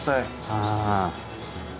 ああ。